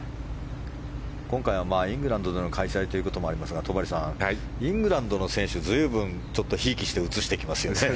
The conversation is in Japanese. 今回はイングランドでの開催ということもありますが戸張さん、イングランドの選手随分ひいきして映してきますよね。